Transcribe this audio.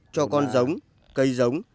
cho con giống cây giống